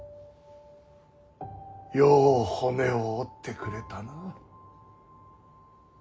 よう骨を折ってくれたな。